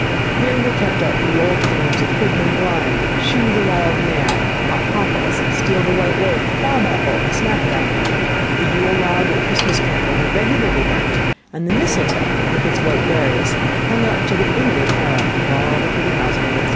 Here were kept up the old games of hoodman blind, shoe the wild mare, hot cockles, steal the white loaf, bob apple and snapdragon: the Yule log and Christmas candle were regularly burnt, and the mistletoe, with its white berries, hung up to the imminent peril of all the pretty housemaids.